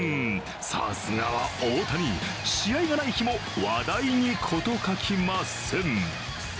さすがは大谷、試合がない日も話題に事欠きません。